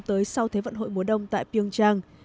tới sau thế vận hội mùa đông tại pyeongchang